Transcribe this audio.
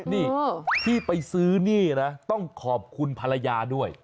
นี่ที่ไปซื้อหนี้นะต้องขอบคุณภรรยาด้วย